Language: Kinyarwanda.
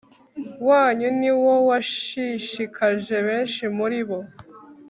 wanyu ni wo washishikaje benshi muri bo